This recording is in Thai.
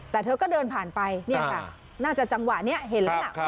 แต่เธอก็เดินผ่านไปเนี่ยค่ะน่าจะจังหวะนี้เห็นแล้วล่ะ